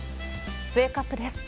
ウェークアップです。